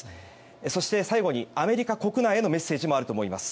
そして、最後にアメリカ国内へのメッセージもあると思います。